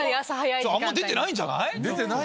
あんま出てないんじゃない？